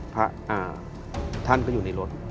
พระอาวุธก็อยู่ในรถ